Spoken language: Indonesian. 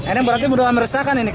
ini berarti sudah meresahkan ini